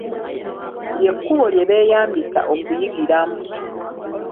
Lye kkubo lye beeyambisa okuyigiramu.